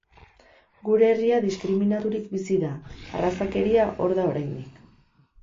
Gure herria diskriminaturik bizi da, arrazakeria hor da oraindik.